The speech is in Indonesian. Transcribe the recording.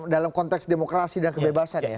dalam konteks demokrasi dan kebebasan ya